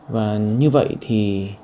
và như vậy thì